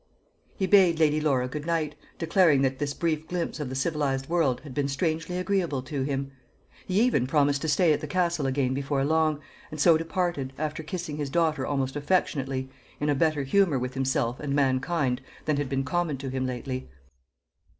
He bade Lady Laura good night, declaring that this brief glimpse of the civilised world had been strangely agreeable to him. He even promised to stay at the Castle again before long, and so departed, after kissing his daughter almost affectionately, in a better humour with himself and mankind than had been common to him lately.